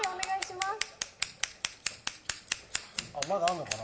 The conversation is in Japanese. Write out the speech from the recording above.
まだあんのかな？